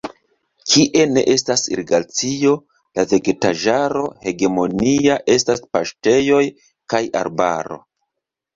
Kie ne estas irigacio, la vegetaĵaro hegemonia estas paŝtejoj kaj arbaro.